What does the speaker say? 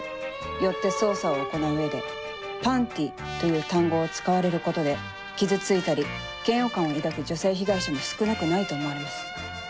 よって捜査を行う上で「パンティ」という単語を使われることで傷ついたり嫌悪感を抱く女性被害者も少なくないと思われます。